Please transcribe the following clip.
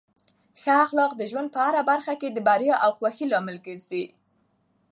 ښه اخلاق د ژوند په هره برخه کې د بریا او خوښۍ لامل ګرځي.